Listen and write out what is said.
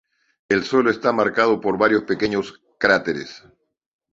El suelo está marcado por varios pequeños cráteres.